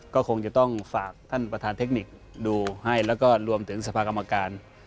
ก็คงจะต้องฝากท่านประธานเทคนิคดูให้แล้วก็รวมถึงสภากรรมการ